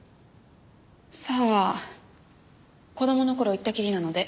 さあ子供の頃行ったきりなので。